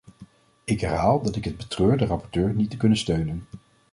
Ik herhaal dat ik het betreur de rapporteur niet te kunnen steunen.